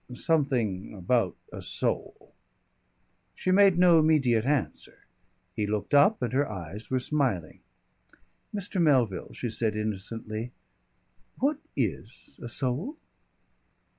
"Something about a soul." She made no immediate answer. He looked up and her eyes were smiling. "Mr. Melville," she said, innocently, "what is a soul?"